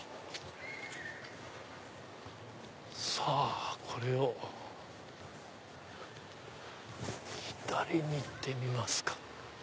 さぁこれを左に行ってみますか。